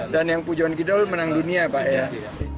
dan yang pujoan kidul menang dunia pak